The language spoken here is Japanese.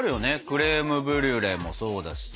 クレームブリュレもそうだしさ。